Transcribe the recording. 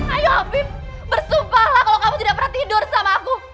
ayo habib bersumpahlah kalau kamu tidak pernah tidur sama aku